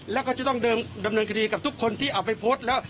แล้วก็จะต้องดำเนินคดีกับทุกคนที่เอาไปโพสต์แล้ว